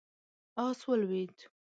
آس ولوېد.